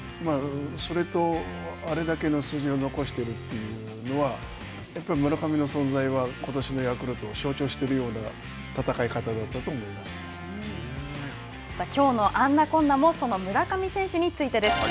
それとあれだけの数字を残してるというのは、やっぱり村上の存在はことしのヤクルトを象徴してるさあ、きょうの「あんなこんな」もその村上選手についてです。